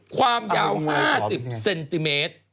ความยาว๕๐เซนติเมตร